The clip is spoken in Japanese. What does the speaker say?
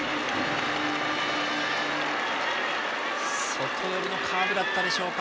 外寄りのカーブだったでしょうか。